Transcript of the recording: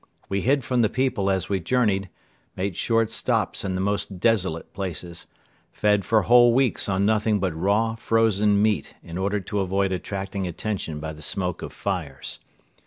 We hid from the people as we journeyed, made short stops in the most desolate places, fed for whole weeks on nothing but raw, frozen meat in order to avoid attracting attention by the smoke of fires.